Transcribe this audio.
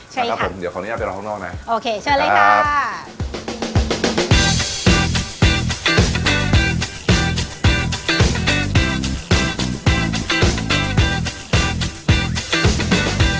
ใช่ค่ะโอเคเชิญเลยค่ะนะครับ